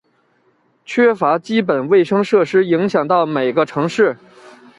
缺乏基本卫生设施影响到每个城市。